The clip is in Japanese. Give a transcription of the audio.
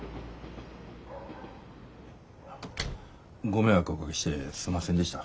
ご迷惑をおかけしてすんませんでした。